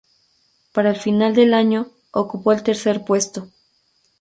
Para el final del año, ocupó el tercer puesto.